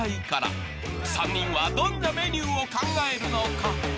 ［３人はどんなメニューを考えるのか］